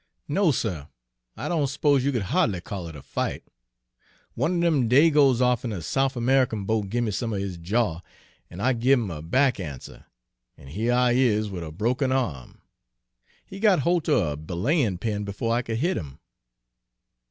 "No, suh, I don' s'pose you could ha'dly call it a fight. One er dem dagoes off'n a Souf American boat gimme some er his jaw, an' I give 'im a back answer, an' here I is wid a broken arm. He got holt er a belayin' pin befo' I could hit 'im."